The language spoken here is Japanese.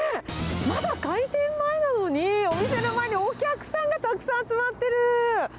まだ開店前なのに、お店の前にお客さんがたくさん集まってる！